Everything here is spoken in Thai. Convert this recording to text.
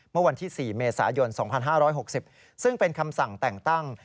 เมื่อวันที่๔เมษายน๒๕๖๐ซึ่งเป็นคำสั่งแต่งตั้ง